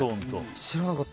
知らなかった。